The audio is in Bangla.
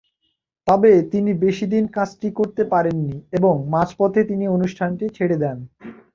তবে তিনি বেশিদিন কাজটি করতে পারেননি এবং মাঝপথে তিনি অনুষ্ঠানটি ছেড়ে দেন।